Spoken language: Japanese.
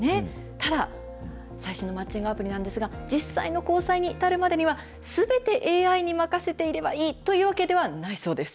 ただ、最新のマッチングアプリなんですが、実際の交際に至るまでには、すべてＡＩに任せていればいいというわけではないそうです。